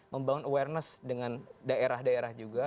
membangun awareness dengan daerah daerah juga